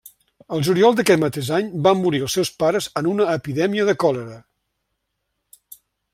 El juliol d'aquest mateix any van morir els seus pares en una epidèmia de còlera.